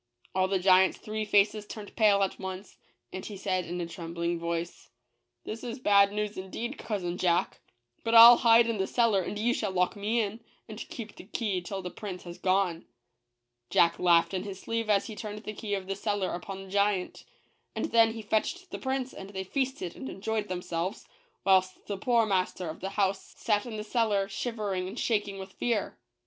All the giant's three faces turned pale at once ; and he said, in a trem bling voice, " This is bad news, indeed, cousin Jack; but I'll hide in the cellar and you shall lock me in, and keep the key till the prince TACK BRINGS BAD NEWS TO HIS *' UNCLE. '' 176 has gone.' JACK THE GIANT KILLER. Jack laughed in his sleeve as he turned the key of the cellar upon the giant: and then he fetched the prince and they feasted and enjoyed themselves, whilst the poor master of the house sat in the cellar shivering and shaking with fear.